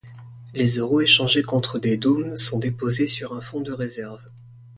Les euros échangés contre des doumes sont déposés sur un fonds de réserve.